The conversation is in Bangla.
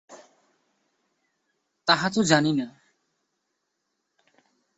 তাহা তো জানি না।